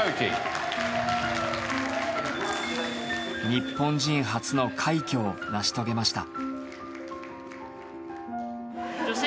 日本人初の快挙を成し遂げました。